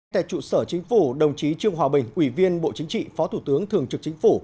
tại trụ sở chính phủ đồng chí trương hòa bình ủy viên bộ chính trị phó thủ tướng thường trực chính phủ